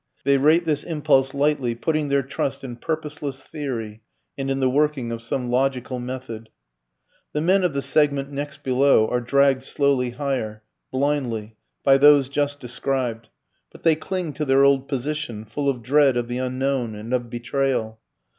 They rate this impulse lightly, putting their trust in purposeless theory and in the working of some logical method. The men of the segment next below are dragged slowly higher, blindly, by those just described. But they cling to their old position, full of dread of the unknown and of betrayal.